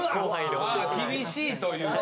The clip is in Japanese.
厳しいというか。